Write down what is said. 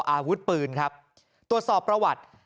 อาวุธปืนครับตรวจสอบประวัติ